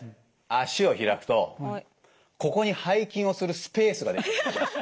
足を開くとここに背筋をするスペースが出来ます。